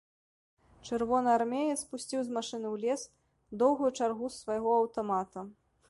Чырвонаармеец пусціў з машыны ў лес доўгую чаргу з свайго аўтамата.